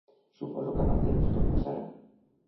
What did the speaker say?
Suposo que amb el temps, tot passarà.